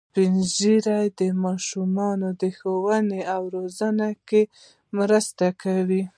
سپین ږیری د ماشومانو د ښوونې او روزنې کې مرسته کوي